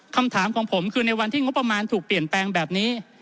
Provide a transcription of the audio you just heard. คำถามของผมคือในวันที่งบประมาณถูกเปลี่ยนแปลงแบบนี้